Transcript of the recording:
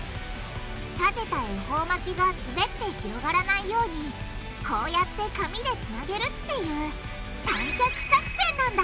立てた恵方巻きがすべって広がらないようにこうやって紙でつなげるっていう「三脚作戦」なんだ！